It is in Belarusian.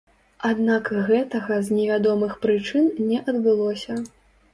Аднак гэтага з невядомых прычын не адбылося.